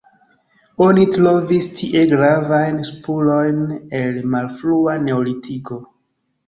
Oni trovis tie gravajn spurojn el malfrua neolitiko.